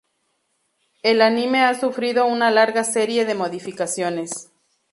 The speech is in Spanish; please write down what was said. El anime ha sufrido una larga serie de modificaciones.